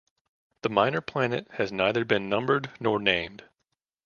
This minor planet has neither been numbered nor named.